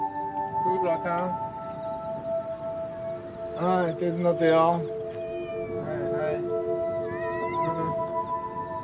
はいはい。